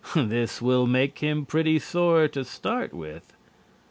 This will make him pretty sore to start with.